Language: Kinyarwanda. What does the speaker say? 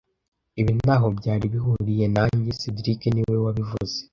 Ibi ntaho byari bihuriye nanjye cedric niwe wabivuze